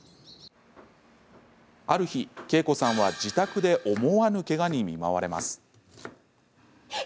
ある日、けいこさんは自宅で思わぬけがに見舞われます。